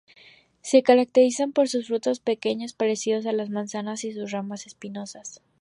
Se caracterizan por sus frutos pequeños, parecidos a la manzanas y sus ramas espinosas.